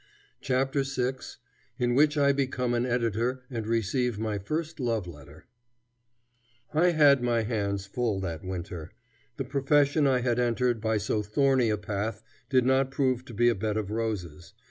CHAPTER VI IN WHICH I BECOME AN EDITOR AND RECEIVE MY FIRST LOVE LETTER I had my hands full that winter. The profession I had entered by so thorny a path did not prove to be a bed of roses.